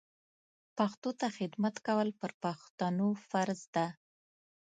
پښتو ته خدمت کول پر پښتنو فرض ده